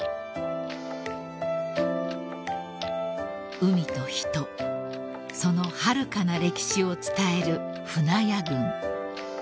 ［海と人そのはるかな歴史を伝える舟屋群］